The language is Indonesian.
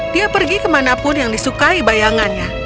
dia pergi kemanapun yang disukai bayangannya